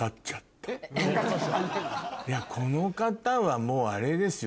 この方はもうあれですよ。